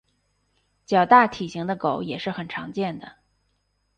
较大体型的狗也是很常见的。